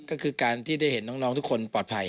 ก็คือการที่ได้เห็นน้องทุกคนปลอดภัย